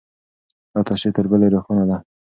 دا تشریح تر بلې روښانه ده.